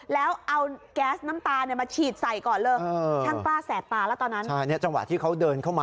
แล้วเอาแก๊สน้ำตามาฉีดใส่ก่อนเลย